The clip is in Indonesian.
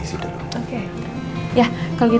dia sih peppers itu